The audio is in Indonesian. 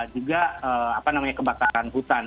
juga apa namanya kebakaran hutan